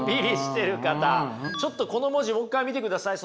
ちょっとこの文字もう一回見てください。